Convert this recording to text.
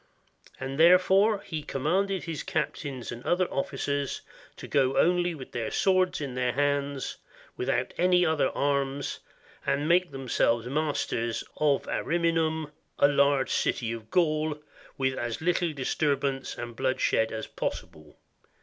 And therefore, he commanded his captains and other officers to go only with their swords in their hands, without any other arms, and make themselves masters of Ariminum, a large city of Gaul, with as little disturbance and blood shed as possible.